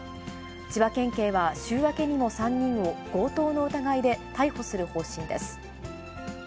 千葉県警は、週明けにも３人を強盗の疑いで逮捕する方針です。